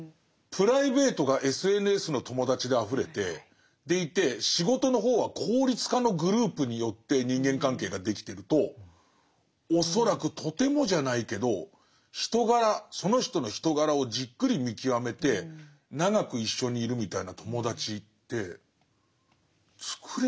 プライベートがＳＮＳの友達であふれてでいて仕事の方は効率化のグループによって人間関係ができてると恐らくとてもじゃないけど人柄その人の人柄をじっくり見極めて長く一緒にいるみたいな友達ってつくれない。